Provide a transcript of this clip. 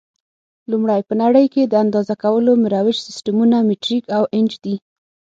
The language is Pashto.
لومړی: په نړۍ کې د اندازه کولو مروج سیسټمونه مټریک او انچ دي.